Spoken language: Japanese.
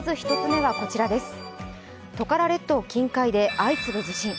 トカラ列島近海で相次ぐ地震。